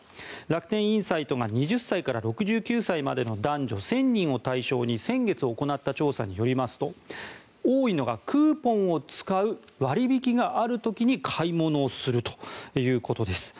楽天インサイトが２０歳から６９歳までの男女１０００人を対象に先月行った調査によりますと多いのが、クーポンを使う割引がある時に買い物をするということです。